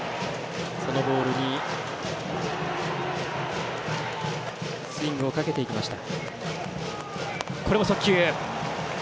そのボールにスイングをかけていきました。